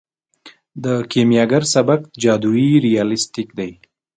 د کیمیاګر سبک جادويي ریالستیک دی.